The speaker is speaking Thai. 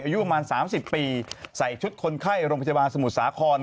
อายุประมาณ๓๐ปีใส่ชุดคนไข้โรงพยาบาลสมุทรสาคร